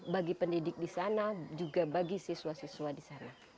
bagi pendidik di sana juga bagi siswa siswa di sana